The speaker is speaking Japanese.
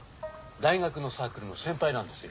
大学のサークルの先輩なんですよ。